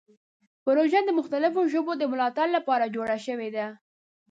پروژه د مختلفو ژبو د ملاتړ لپاره جوړه شوې ده.